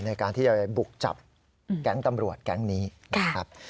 ในการที่จะบุกจับแก๊งตำรวจแก๊งนี้นะครับ